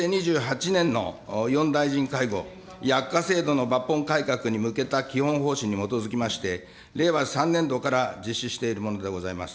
平成２８年の４大臣会合、薬価制度の抜本改革に向けた基本方針に基づきまして、令和３年度から実施しているものでございます。